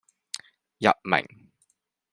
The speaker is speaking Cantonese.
佚名